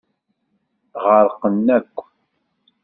Ɣerqen akk.